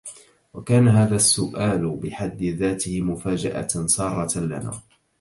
وكان هذا السؤال بحد ذاته مفاجأة سارة لنا